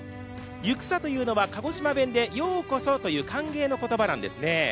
ユクサというのは鹿児島弁でようこそという歓迎の言葉です。